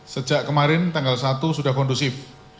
sejak kemarin tanggal satu sudah kondusif